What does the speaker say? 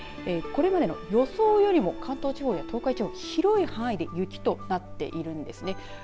これまでの予想よりも関東地方や東海地方広い範囲で雪となっているんですね。